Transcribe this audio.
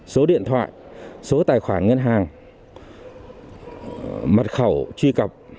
số điện thoại số tài khoản ngân hàng mật khẩu truy cập